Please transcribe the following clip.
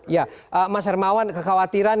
ya mas hermawan kekhawatiran